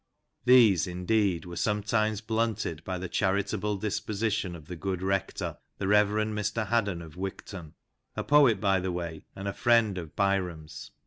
These, indeed, were sometimes blunted by the charitable disposition of the good rector (the Rev. Mr Haddon of Wigton)" — a poet, by the way, and a friend of Byrom's.